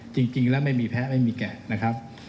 จริงแล้วไม่มีแพ้ไม่มีแกะนะครับ